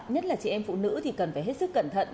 nhất là chị em phụ nữ thì cần phải hết sức cẩn thận